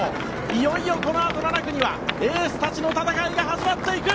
いよいよこのあと７区はエースたちの戦いが始まっていく。